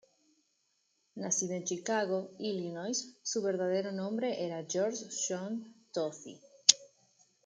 Nacido en Chicago, Illinois, su verdadero nombre era George John Tozzi.